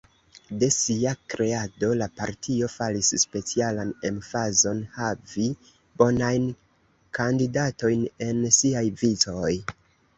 De sia kreado, la partio faris specialan emfazon havi bonajn kandidatojn en siaj vicoj.